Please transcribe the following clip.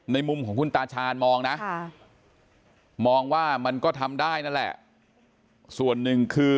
มุมของคุณตาชาญมองนะมองว่ามันก็ทำได้นั่นแหละส่วนหนึ่งคือ